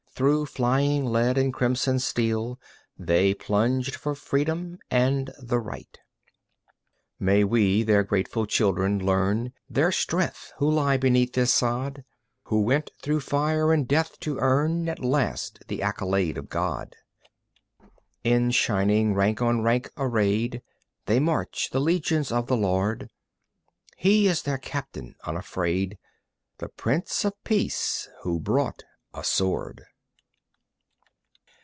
Through flying lead and crimson steel They plunged for Freedom and the Right. May we, their grateful children, learn Their strength, who lie beneath this sod, Who went through fire and death to earn At last the accolade of God. In shining rank on rank arrayed They march, the legions of the Lord; He is their Captain unafraid, The Prince of Peace ... Who brought a sword.